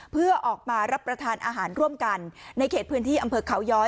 เพื่อออกมารับประทานอาหารร่วมกันในเขตพื้นที่อำเภอเขาย้อย